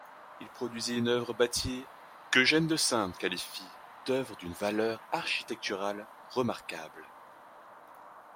Il produisit une œuvre bâtie qu'Eugène De Seyn qualifie d'œuvre d'une valeur architecturale remarquable.